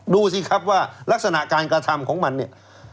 ดูสิครับว่ารักษณะการกระทำของมันเนี่ย